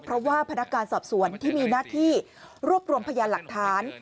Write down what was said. เพราะว่าพนักการสอบสวนที่มีหน้าที่รวบรวมพยานหลักฐาน